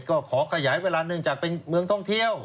ก็ขอขยายเวลาเนื่องจากเป็นเมืองท่องเที่ยว